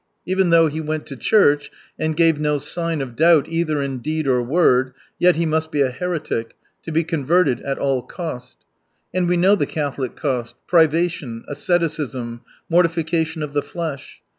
Even though he went to church, and gave no sign of doubt, either in deed or word, yet he must be a heretic, to be converted at all cost. And we know the Catholic cost: privation, asceticism, mortification of the flesh.